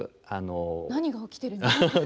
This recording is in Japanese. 何が起きてるのか？